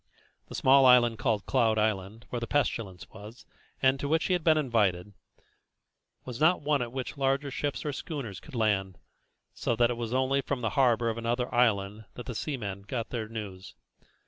The small island called Cloud Island, where the pestilence was, and to which he had been invited, was not one at which larger ships or schooners could land, so that it was only from the harbour of another island that the seamen got their news.